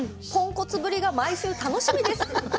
ポンコツぶりが毎週楽しみです。